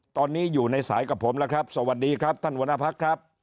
ตอนนี้อยู่ในสายกับผมแล้วครับสวัสดีครับท่านหัวหน้าพักครับ